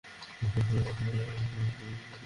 শুনলাম আপনি এখানে তাই দেখতে আসলাম।